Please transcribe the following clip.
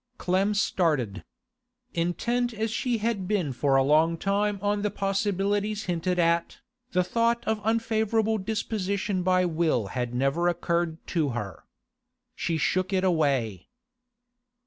Clem started. Intent as she had been for a long time on the possibilities hinted at, the thought of unfavourable disposition by will had never occurred to her. She shook it away.